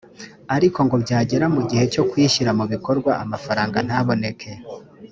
ariko ngo byagera mu gihe cyo kuyishyira mu bikorwa amafaranga ntaboneke